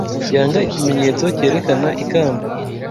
yanga Ikimenyetso cyerekana ikamba;